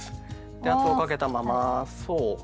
で圧をかけたままそう。